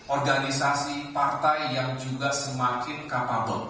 organisasi partai yang juga semakin kapabel